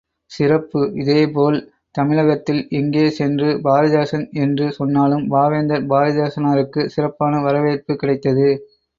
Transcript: சிறப்பு இதேபோல், தமிழகத்தில் எங்கே சென்று பாரதிதாசன் என்று சொன்னாலும், பாவேந்தர் பாரதிதாசனாருக்குச் சிறப்பான வரவேற்பு கிடைத்தது.